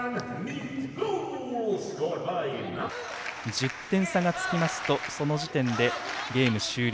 １０点差がつきますとその時点でゲーム終了。